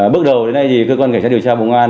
bước đầu đến nay thì cơ quan cảnh sát điều tra bộ ngân